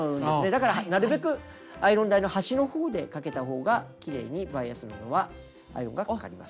だからなるべくアイロン台の端のほうでかけたほうがきれいにバイアス布はアイロンがかかります。